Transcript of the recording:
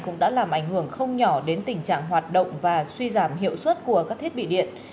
cũng đã làm ảnh hưởng không nhỏ đến tình trạng hoạt động và suy giảm hiệu suất của các thiết bị điện